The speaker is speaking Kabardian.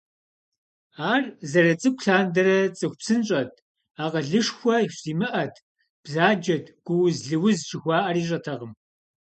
Ар зэрыцӏыкӏу лъандэрэ цӀыху псынщӀэт, акъылышхуэ зимыӀэт, бзаджэт, гууз-лыуз жыхуаӏэр ищӏэтэкъым.